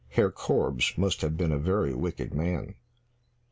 Herr Korbes must have been a very wicked man!